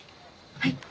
はい。